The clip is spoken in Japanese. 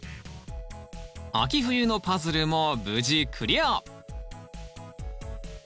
秋冬のパズルも無事クリア！